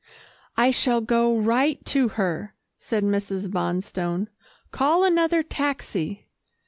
"I shall go right to her," said Mrs. Bonstone. "Call another taxi."